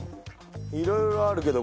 いろいろあるけど。